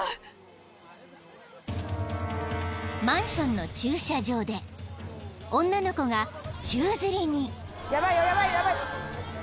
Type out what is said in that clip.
［マンションの駐車場で女の子が宙づりに］